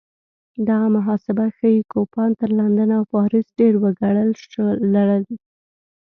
دغه محاسبه ښيي کوپان تر لندن او پاریس ډېر وګړي لرل.